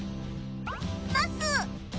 ナス！